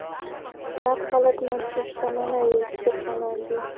زیات خلک منفي شتمنۍ څښتنان دي.